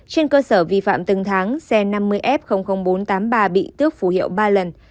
trên cơ sở vi phạm từng tháng xe năm mươi f bốn trăm tám mươi ba bị tước phù hiệu ba lần